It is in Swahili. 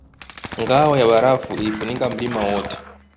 Ngao ya barafu ilifunika mlima wote